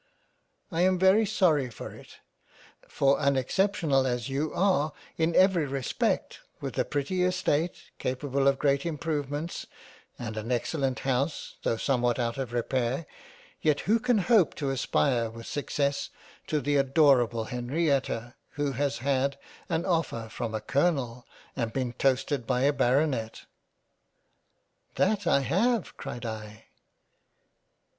I am very sorry for it, for unex ceptionable as you are in every respect, with a pretty Estate capable of Great improvements, and an excellent House tho' somewhat out of repair, yet who can hope to aspire with success to the adorable Henrietta who has had an offer from a Colonel and been toasted by a Baronet "—" That I have —" cried I.